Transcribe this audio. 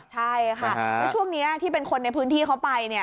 ใช่ค่ะแล้วช่วงนี้ที่เป็นคนในพื้นที่เขาไปเนี่ย